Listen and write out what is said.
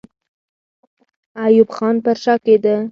ایوب خان پر شا کېده.